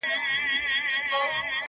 ما د سباوون په تمه تور وېښته سپین کړي دي،